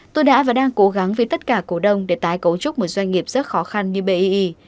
tôi đã và đang cố gắng với tất cả cổ đông để tái cấu trúc một doanh nghiệp rất khó khăn như bi